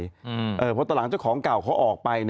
เพราะตอนหลังเจ้าของเก่าเขาออกไป